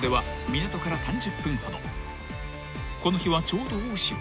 ［この日はちょうど大潮］